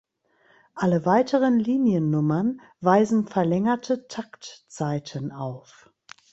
Alle weiteren Liniennummern weisen verlängerte Taktzeiten auf.